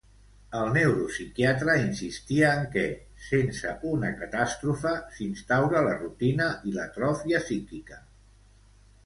El neuropsiquiatre insistia en què, sense una catàstrofe, s'instaura la rutina i l'atròfia psíquica.